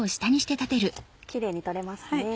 キレイに取れますね。